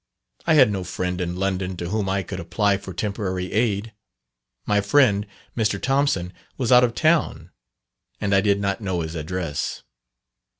I had no friend in London to whom I could apply for temporary aid. My friend, Mr. Thompson, was out of town, and I did not know his address.